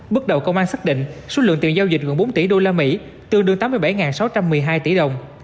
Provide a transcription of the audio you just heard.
bước đầu công an xác định số lượng tiền giao dịch gần bốn tỷ usd tương đương tám mươi bảy sáu trăm một mươi hai tỷ đồng